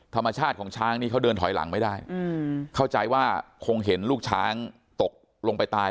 ธรรมชาติของช้างนี่เขาเดินถอยหลังไม่ได้เข้าใจว่าคงเห็นลูกช้างตกลงไปตาย